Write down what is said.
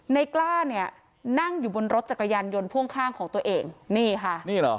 กล้าเนี่ยนั่งอยู่บนรถจักรยานยนต์พ่วงข้างของตัวเองนี่ค่ะนี่เหรอ